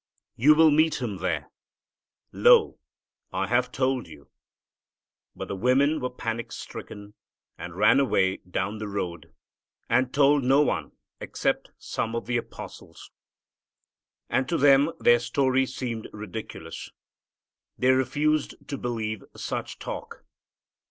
You will meet Him there. Lo, I have told you." But the women were panic stricken, and ran away down the road, and told no one except some of the apostles. And to them their story seemed ridiculous. They refused to believe such talk.